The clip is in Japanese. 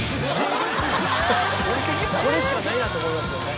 これしかないなと思いましたよね